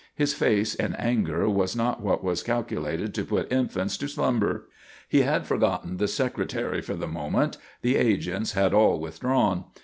His face in anger was not what was calculated to put infants to slumber. He had forgotten the Secretary for the moment; the agents had all withdrawn.